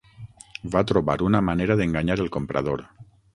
Va trobar una manera d'enganyar el comprador.